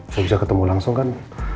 saya bisa ketemu langsung kan